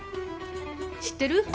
知ってる？